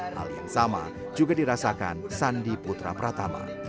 hal yang sama juga dirasakan sandi putra pratama